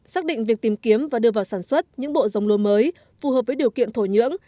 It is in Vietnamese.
xác định việc tìm kiếm và đưa vào sản xuất những bộ giống lúa mới phù hợp với điều kiện thổ nhưỡng